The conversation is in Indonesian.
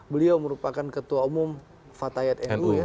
beliau merupakan ketua umum fatayat nu ya